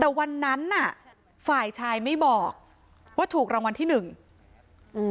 แต่วันนั้นน่ะฝ่ายชายไม่บอกว่าถูกรางวัลที่หนึ่งอืม